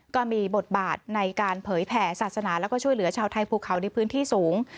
ก็มีบทบาทในการเผยแผ่ศาสนาแล้วก็ช่วยเหลือชาวไทยภูเขาในพื้นที่สูง